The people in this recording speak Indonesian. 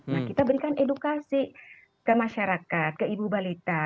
nah kita berikan edukasi ke masyarakat ke ibu balita